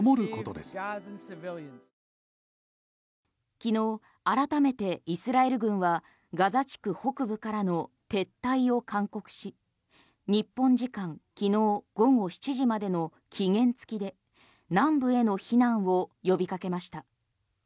昨日改めてイスラエル軍はガザ地区北部からの撤退を勧告し日本時間昨日午後７時までの期限付きで南部への避難を呼びかけました。